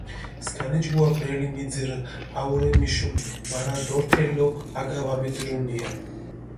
სქანიჯგუა ბრელი მიძირჷ აურე მიშუნ, მარა დორთელო აკა ვამიძირუნია.